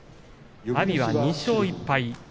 阿炎は２勝１敗。